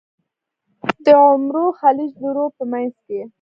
د عمرو خلیج لرو په منځ کې.